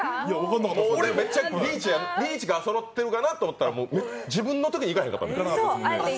俺、めっちゃリーチかそろってるかなと思ったら自分のときに、いかへんかった。